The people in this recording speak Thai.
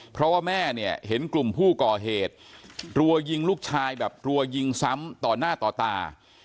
เพราะว่าแม่เนี่ยเห็นกลุ่มผู้ก่อเหตุรัวยิงลูกชายแบบรัวยิงซ้ำต่อหน้าต่อตา